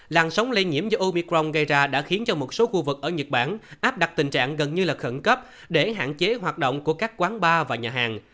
làn sóng lây nhiễm do obicron gây ra đã khiến cho một số khu vực ở nhật bản áp đặt tình trạng gần như là khẩn cấp để hạn chế hoạt động của các quán bar và nhà hàng